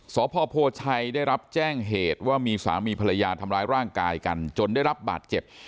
สพโพชัยได้รับแจ้งเหตุว่ามีสามีภรรยาทำร้ายร่างกายกันจนได้รับบาดเจ็บ